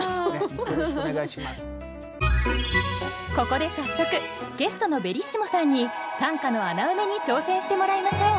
ここで早速ゲストのベリッシモさんに短歌の穴埋めに挑戦してもらいましょう！